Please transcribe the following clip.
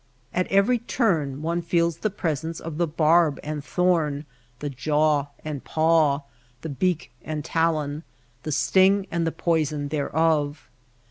At every turn one feels the presence of the barb and thorn, the jaw and paw, the beak and talon, the sting and the poison thereof.